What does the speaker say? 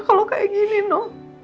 kalau kayak gini no